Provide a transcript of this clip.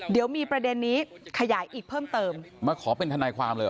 เดี๋ยวมีประเด็นนี้ขยายอีกเพิ่มเติมมาขอเป็นทนายความเลยเห